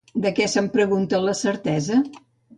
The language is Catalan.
De què se'n pregunta la certesa?